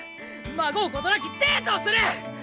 まごうことなきデートをする！